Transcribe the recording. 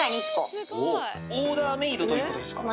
オーダーメードということですか？